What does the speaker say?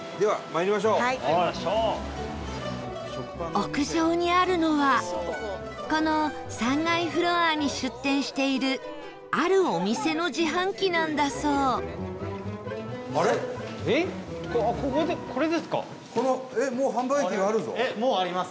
屋上にあるのはこの、３階フロアに出店しているあるお店の自販機なんだそう前田：えっ、もうあります？